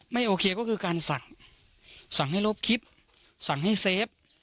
ไม่โอเคก็คือการสั่งสั่งให้ลบคลิปสั่งให้เซฟ